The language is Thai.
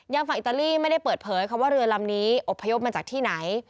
ฝั่งอิตาลีไม่ได้เปิดเผยคำว่าเรือลำนี้อบพยพมาจากที่ไหน